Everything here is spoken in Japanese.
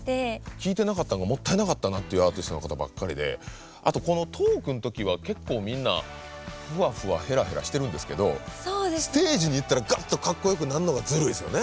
聴いてなかったんがもったいなかったなっていうアーティストの方ばっかりであとこのトークの時は結構みんなフワフワヘラヘラしてるんですけどステージに行ったらガッとかっこよくなんのがずるいですよね。